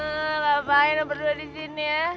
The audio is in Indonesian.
gak apa apain lo berdua di sini ya